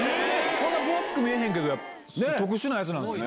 そんな分厚く見えないけど、特殊なやつなんだね。